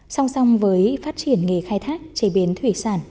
song song với phát triển nghề khai thác chế biến thủy sản